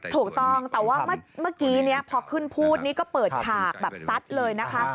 ถูกต้องแต่ว่าเมื่อกี้พอขึ้นพูดนี่ก็เปิดฉากแบบซัดเลยนะคะ